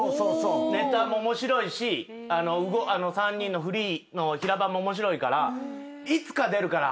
ネタも面白いし３人のフリーの平場も面白いからいつか出るから。